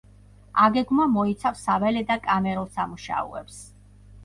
აგეგმვა მოიცავს საველე და კამერულ სამუშაოებს.